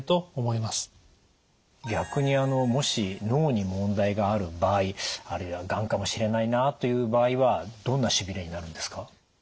逆にもし脳に問題がある場合あるいはがんかもしれないなという場合はどんなしびれになるんですか？